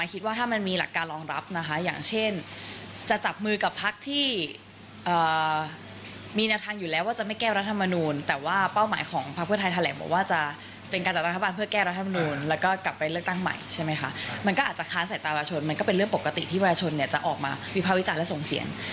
สถานการณ์เนี่ยไม่คิดว่ามันขึ้นอยู่กับสวแล้วก็คนอื่นเองเนี่ย